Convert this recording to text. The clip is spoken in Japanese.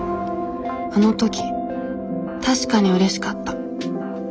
あの時確かにうれしかった。